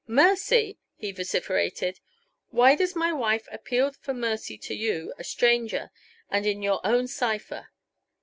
Mercy!" he vociferated. "Why does my wife appeal for mercy to you a stranger and in your own cipher!